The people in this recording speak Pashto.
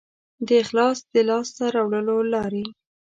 د اخلاص د لاسته راوړلو لارې